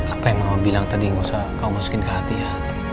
apa yang mama bilang tadi gak usah kamu masukin ke hati ya